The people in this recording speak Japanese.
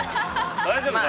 大丈夫かな。